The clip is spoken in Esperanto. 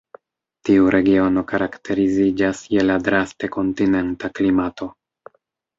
Tiu regiono karakteriziĝas je la draste kontinenta klimato.